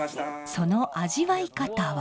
その味わい方は。